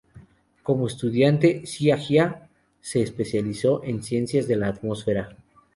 Como estudiante, Xia Jia se especializó en Ciencias de la Atmósfera.